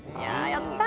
やった！